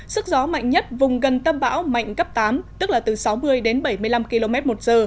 sức gió mạnh nhất vùng gần tâm bão mạnh cấp tám tức là từ sáu mươi đến bảy mươi năm km một giờ